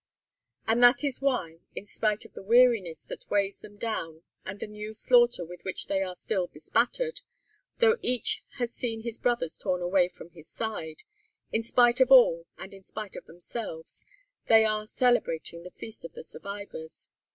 And that is why, in spite of the weariness that weighs them down and the new slaughter with which they are still bespattered, though each has seen his brothers torn away from his side, in spite of all and in spite of themselves, they are celebrating the Feast of the Survivors.